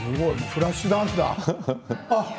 「フラッシュダンス」だ。